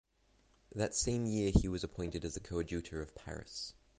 That same year, he was appointed as the Coadjutor of Paris.